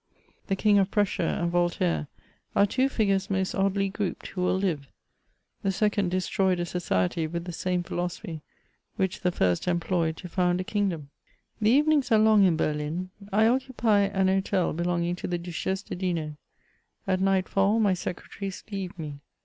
The King of Prussia and Voltaire, are two figures most oddly grouped, who will Uve : the second destroyed a society with the same philosophy, which the first employed to found a kingdom. Tbe evenings are long in Berlin. I occupy an hotel belong ing to the Duchesse de Dino. At night fall, my secretaries leave me.